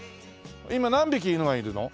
今何匹犬がいるの？